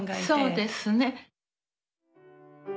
そうですね。